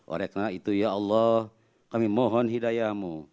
oleh karena itu ya allah kami mohon hidayah mu